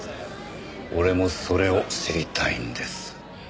俺もそれを知りたいんです。